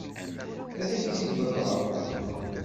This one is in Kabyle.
Ad ak-tt-id-ḍebbreɣ.